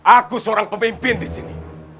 aku seorang pemimpin disini